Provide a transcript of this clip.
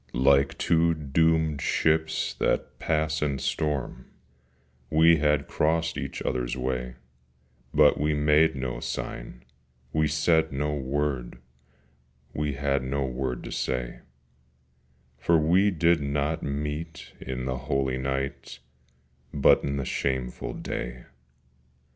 Like two doomed ships that pass in storm We had crossed each other's way: But we made no sign, we said no word, We had no word to say; For we did not meet in the holy night, But in the shameful day.